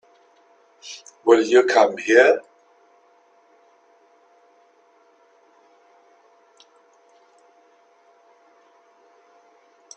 Will you come here?